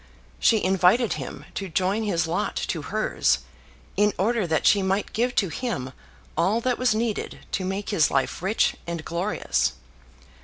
She invited him to join his lot to hers, in order that she might give to him all that was needed to make his life rich and glorious.